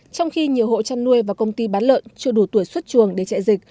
trong khi nhiều hộ chăn nuôi và công ty bán lợn chưa đủ tuổi xuất chuồng để chạy dịch